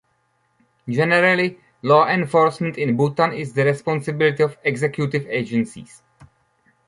Generally, law enforcement in Bhutan is the responsibility of executive agencies.